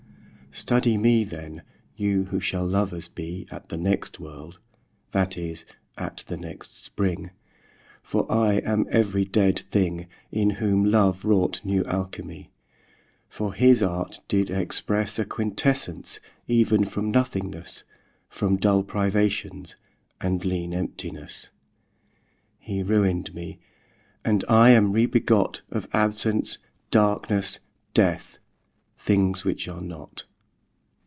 Study me then, you who shall lovers bee At the next world, that is, at the next Spring: For I am every dead thing, In whom love wrought new Alchimie. For his art did expresse A quintessence even from nothingnesse, From dull privations, and leane emptinesse: He ruin'd mee, and I am re begot Of absence, darknesse, death; things which are not.